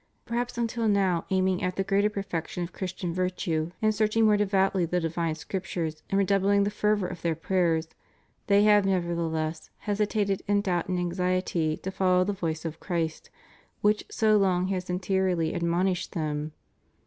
Perhaps until now aiming at the greater perfection of Christian virtue, and searching more devoutly the divine Scriptures, and redoubling the fevor of their prayers, they have, nevertheless, hesitated in doubt and anxiety to follow the voice of Christ, which so long has interiorly admonished them.